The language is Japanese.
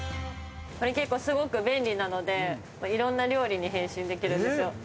これ結構すごく便利なので、いろんな料理に変身できるんですよ。